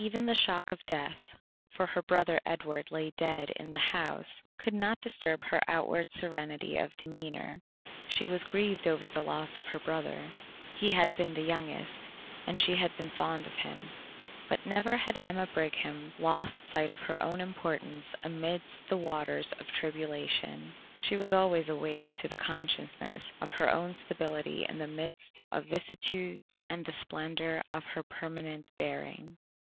Even the shock of death (for her brother Edward lay dead in the house,) could not disturb her outward serenity of demeanour. She was grieved over the loss of her brother: he had been the youngest, and she had been fond of him, but never had Emma Brigham lost sight of her own importance amidst the waters of tribulation. She was always awake to the consciousness of her own stability in the midst of vicissitudes and the splendour of her permanent bearing.